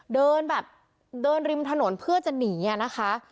เดินแบบเดินริมถนนเพื่อจะหนีอะนะคะ